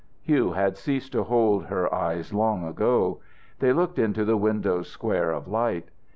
Hugh had ceased to hold her eyes long ago. They looked into the window's square of light.